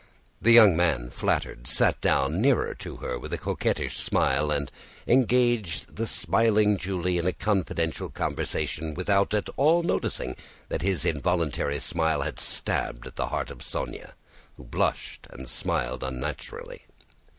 The young man, flattered, sat down nearer to her with a coquettish smile, and engaged the smiling Julie in a confidential conversation without at all noticing that his involuntary smile had stabbed the heart of Sónya, who blushed and smiled unnaturally.